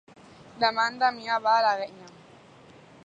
Demà en Damià va a l'Alguenya.